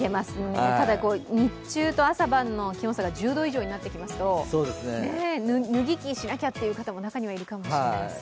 ただ日中と朝晩の気温差が１０度以上になってきますと脱ぎ着しなきゃという方も中にはいるかもしれません。